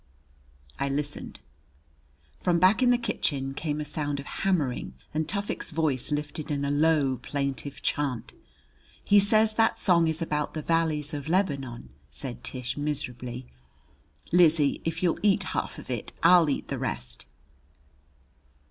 I listened. From back in the kitchen came a sound of hammering and Tufik's voice lifted in a low, plaintive chant. "He says that song is about the valleys of Lebanon," said Tish miserably. "Lizzie, if you'll eat half of it, I'll eat the rest."